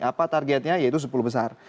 apa targetnya yaitu sepuluh besar